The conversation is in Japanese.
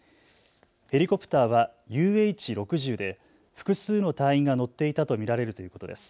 ヘリコプターはＵＨ６０で複数の隊員が乗っていたと見られるということです。